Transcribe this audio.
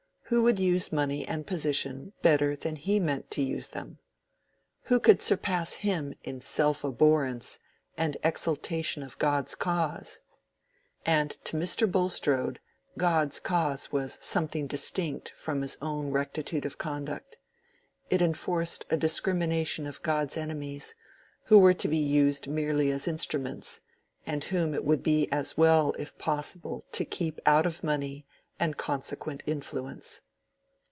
Who would use money and position better than he meant to use them? Who could surpass him in self abhorrence and exaltation of God's cause? And to Mr. Bulstrode God's cause was something distinct from his own rectitude of conduct: it enforced a discrimination of God's enemies, who were to be used merely as instruments, and whom it would be as well if possible to keep out of money and consequent influence.